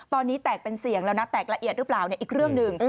ตอนนี้แตกเป็นเสี่ยงแล้วนะแตกละเอียดหรือเปล่าอีกเรื่องหนึ่ง